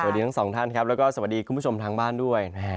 ส่วนดีทั้งสองท่านและสวัสดีคุณผู้ชมทางบ้านด้วย